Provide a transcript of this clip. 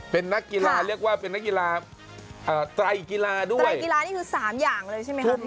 เป็นนักกีฬาเรียกว่าเป็นนักกีฬาไตรกีฬาด้วยไตรกีฬานี่คือ๓อย่างเลยใช่ไหมครับ